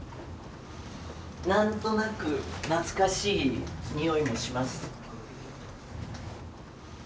何となく懐かしいにおいもします。